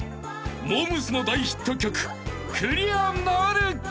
モー娘。の大ヒット曲クリアなるか？］